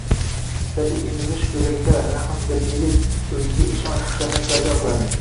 Tabiiy emizish go‘dakda rahmdillik, o‘ziga ishonch xislatini paydo qiladi.